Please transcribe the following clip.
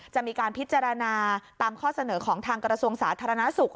จะมีการพิจารณาตามข้อเสนอของทางกระทรวงสาธารณสุข